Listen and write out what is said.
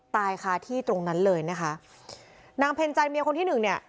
ตายค่ะที่ตรงนั้นเลยนะคะนางเพ็ญใจเมียคนที่หนึ่งเนี่ย